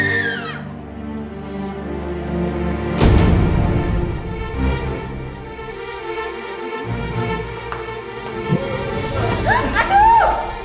sekarang aku yo